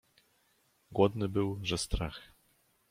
Głodny był, że strach.